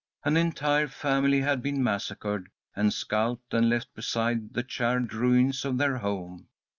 An entire family had been massacred and scalped, and left beside the charred ruins of their home.